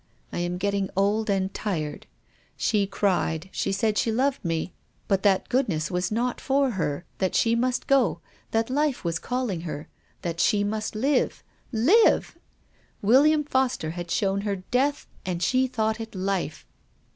I am getting old and tired. She cried. She i;aid she loved me, but 146 TONGUES OF CONSCIENCE. that goodness was not for her, that she must go, that life was calHng her, that she must live — live ! William Foster had shown her death and she thought it life.